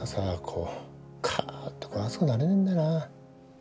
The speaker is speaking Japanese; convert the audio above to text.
こうカーッとか熱くなれねえんだよな。